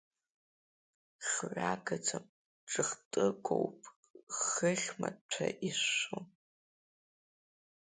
Хҩагаӡам, ҽыхтыгоуп хыхьмаҭәа ишәшәу.